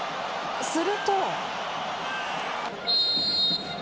すると。